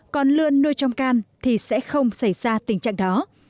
còn lươn nuôi trong can thì sẽ không xảy ra tình trạng đó